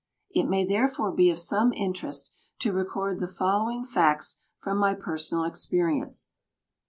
It may therefore be of some interest to record the following facts from my personal experience.